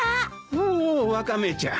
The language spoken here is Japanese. おおワカメちゃん。